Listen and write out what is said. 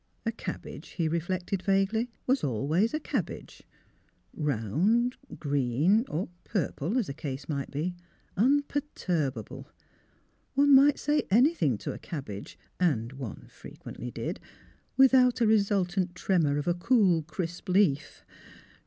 A cabbage, he reflected vaguely, was always a cabbage, round, green — or SYLVLl'S CHILD 275 purple, as the case might be — imperturbable. One might say anything to a cabbage — and one fre quently did — without a resultant tremor of a cool, crisp leaf.